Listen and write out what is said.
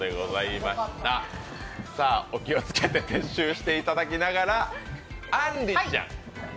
お気を付けて撤収していただきながら、あんりちゃん。